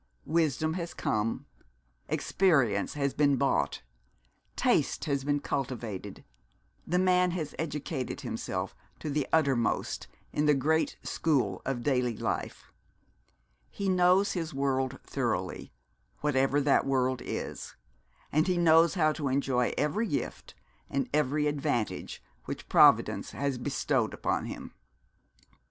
Wisdom has come, experience has been bought, taste has been cultivated, the man has educated himself to the uttermost in the great school of daily life. He knows his world thoroughly, whatever that world is, and he knows how to enjoy every gift and every advantage which Providence has bestowed upon him.